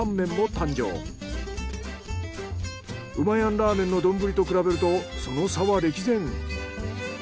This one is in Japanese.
ラーメンの丼と比べるとその差は歴然。